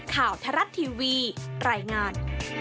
ทรัฐทีวีรายงาน